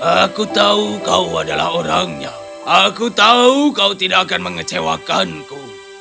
aku tahu kau adalah orangnya aku tahu kau tidak akan mengecewakanku